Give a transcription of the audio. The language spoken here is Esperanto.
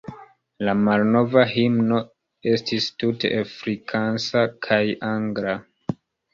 La malnova himno estis tute afrikansa kaj angla.